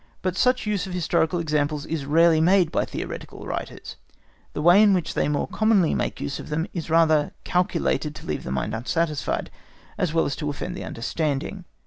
But such use of historical examples is rarely made by theoretical writers; the way in which they more commonly make use of them is rather calculated to leave the mind unsatisfied, as well as to offend the understanding.